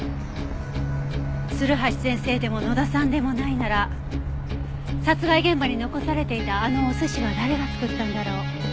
鶴橋先生でも野田さんでもないなら殺害現場に残されていたあのお寿司は誰が作ったんだろう？